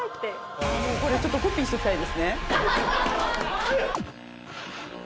これちょっとコピーしておきたいですね。